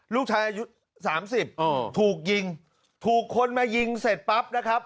ลูกชายอายุสามสิบถูกยิงถูกคนมายิงเสร็จปั๊บนะครับ